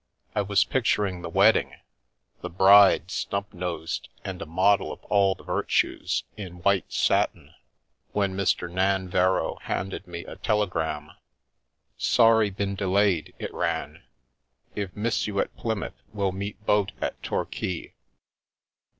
I was picturing the wedding (the bride, snub nosed, and a model of all the virtues, in white satin), when Mr. Nan verrow handed me a telegram. " Sorry been delayed," it ran. " If miss you at Plymouth will meet boat at Torquay."